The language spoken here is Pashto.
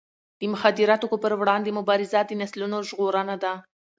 د مخدره توکو پر وړاندې مبارزه د نسلونو ژغورنه ده.